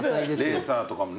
レーサーとかもね。